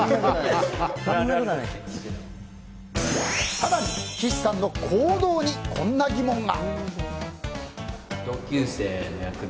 更に、岸さんの行動にこんな疑問が。